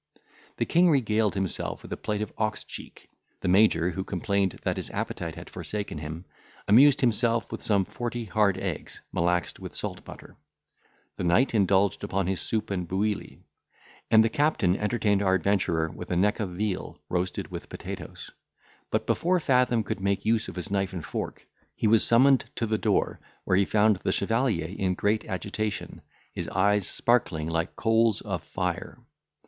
The king regaled himself with a plate of ox cheek; the major, who complained that his appetite had forsaken him, amused himself with some forty hard eggs, malaxed with salt butter; the knight indulged upon his soup and bouilli, and the captain entertained our adventurer with a neck of veal roasted with potatoes; but before Fathom could make use of his knife and fork, he was summoned to the door, where he found the chevalier in great agitation, his eyes sparkling like coals of fire.